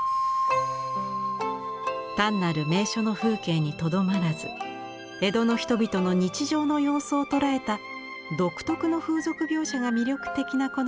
単なる名所の風景にとどまらず江戸の人々の日常の様子をとらえた独特の風俗描写が魅力的なこのシリーズ。